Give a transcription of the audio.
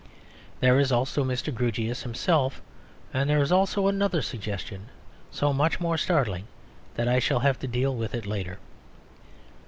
There is also Mr. Grewgious himself, and there is also another suggestion, so much more startling that I shall have to deal with it later.